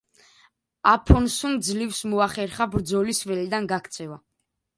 აფონსუმ ძლივს მოახერხა ბრძოლის ველიდან გაქცევა.